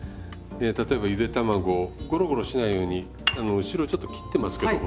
例えばゆで卵ゴロゴロしないように後ろをちょっと切ってますけど包丁で。